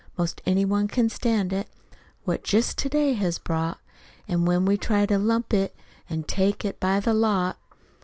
'Most any one can stand it What jest TO DAY has brought. It's when we try to lump it, An' take it by the lot!